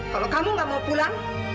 kalau kamu nggak mau pulang